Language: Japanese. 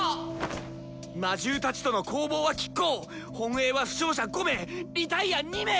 魔獣たちとの攻防はきっ抗本営は負傷者５名リタイア２名！